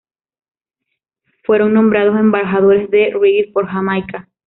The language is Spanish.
Fueron nombrados embajadores del reggae por Jamaica.